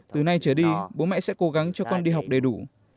từ nay trở đi bố mẹ sẽ cố gắng cho con đi học đầy đủ